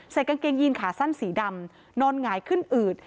กางเกงยีนขาสั้นสีดำนอนหงายขึ้นอืด